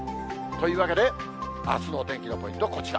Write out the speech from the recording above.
というわけで、あすのお天気のポイント、こちら。